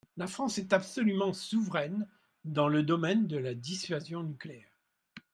La France est absolument souveraine dans le domaine de la dissuasion nucléaire.